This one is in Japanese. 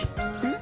ん？